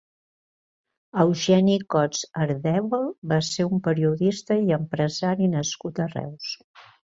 Eugeni Cots Ardèvol va ser un periodista i empresari nascut a Reus.